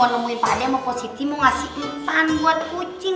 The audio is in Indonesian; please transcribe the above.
mau nemuin pak deh sama positi mau ngasih impan buat kucing